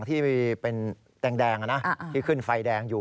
ที่เป็นแดงที่ขึ้นไฟแดงอยู่